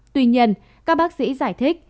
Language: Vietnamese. tuy nhiên các bác sĩ giải thích